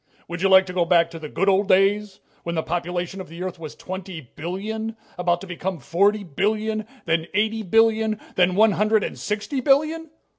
"Would you like to go back to the good old days, when the population of the Earth was twenty billion about to become forty billion, then eighty billion, then one hundred and sixty billion?